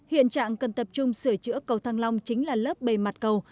hiện trạng cần tập trung sửa chữa cầu thăng long chính là lớp bề mặt cầu